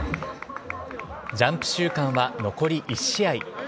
ジャンプ週間は残り１試合。